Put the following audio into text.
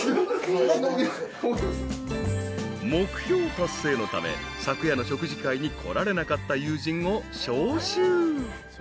［目標達成のため昨夜の食事会に来られなかった友人を招集］